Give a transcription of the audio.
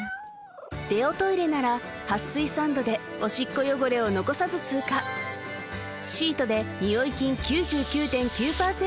デオトイレなら撥水サンドでオシッコ汚れを残さず通過シートでニオイ菌９９．９％